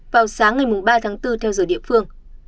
vào sáng ngày ba tháng bốn theo giờ địa phương